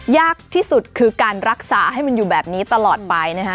ยากที่สุดคือการรักษาให้มันอยู่แบบนี้ตลอดไปนะคะ